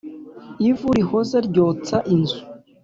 Ivu rihoze ryotsa inzu.